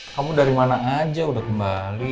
kamu dari mana aja udah kembali